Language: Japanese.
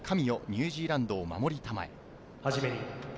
ニュージーランドを守り給え』。